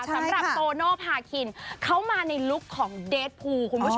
สำหรับโตโนภาคินเขามาในลุคของเดสพูคุณผู้ชม